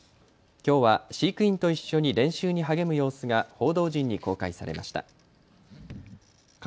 きょうは飼育員と一緒に練習に励む様子が報道陣に公開されました。